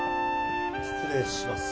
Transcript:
失礼します。